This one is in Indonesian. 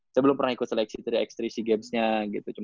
saya belum pernah ikut seleksi tiga ax tiga si games nya gitu